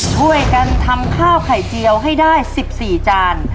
ช่วยกันทำข้าวไข่เจียวให้ได้๑๔จาน